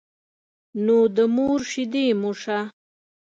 نو د مور شيدې مو شه.